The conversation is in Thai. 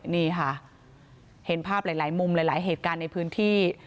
นี่ค่ะเห็นภาพหลายมุมหลายเหตุการณ์ในพื้นที่